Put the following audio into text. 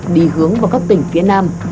đi hướng vào các tỉnh phía nam